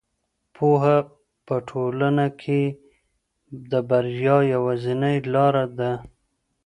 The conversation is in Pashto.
پوهه په ټولنه کې د بریا یوازینۍ لاره ده.